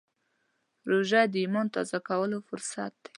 روژه د ایمان تازه کولو فرصت دی.